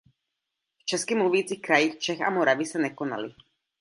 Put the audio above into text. V česky mluvících krajích Čech a Moravy se nekonaly.